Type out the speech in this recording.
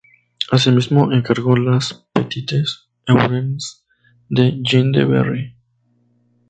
Asimismo encargó las "Petites Heures de Jean de Berry".